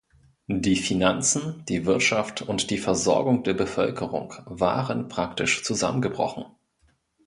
Die Finanzen, die Wirtschaft und die Versorgung der Bevölkerung waren praktisch zusammengebrochen.